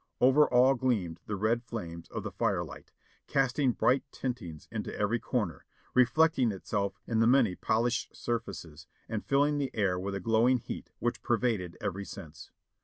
Over all gleamed the red flames of the fire light, casting bright tintings into every corner, reflecting itself in the many polished surfaces and filling the air with a glow ing heat which pervaded every sense.